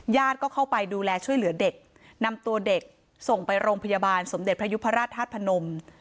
ก็เข้าไปดูแลช่วยเหลือเด็กนำตัวเด็กส่งไปโรงพยาบาลสมเด็จพระยุพราชธาตุพนม